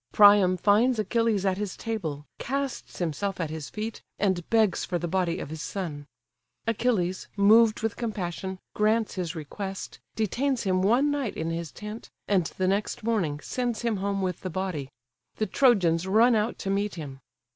Priam finds Achilles at his table, casts himself at his feet, and begs for the body of his son: Achilles, moved with compassion, grants his request, detains him one night in his tent, and the next morning sends him home with the body: the Trojans run out to meet him.